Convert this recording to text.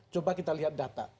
coba kita lihat data